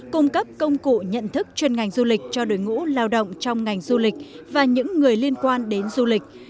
cung cấp công cụ nhận thức chuyên ngành du lịch cho đội ngũ lao động trong ngành du lịch và những người liên quan đến du lịch